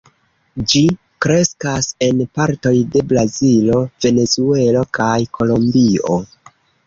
Ĝi kreskas en partoj de Brazilo, Venezuelo kaj Kolombio.